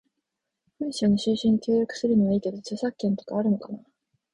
文章の収集に協力するのはいいけど、著作権とかあるのかな？